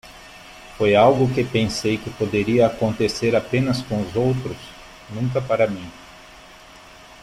Foi algo que pensei que poderia acontecer apenas com os outros? nunca para mim.